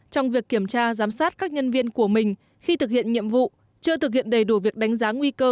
trong việc kiểm tra giám sát các nhân viên của mình khi thực hiện nhiệm vụ chưa thực hiện đầy đủ việc đánh giá nguy cơ